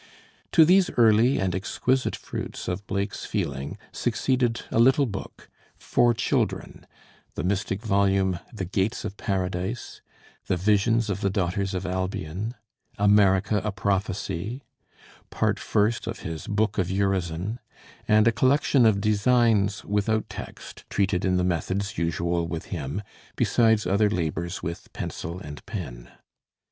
To these early and exquisite fruits of Blake's feeling succeeded a little book 'For Children,' the mystic volume 'The Gates of Paradise,' 'The Visions of the Daughters of Albion,' 'America, a Prophecy,' Part First of his 'Book of Urizen,' and a collection of designs without text, treated in the methods usual with him, besides other labors with pencil and pen.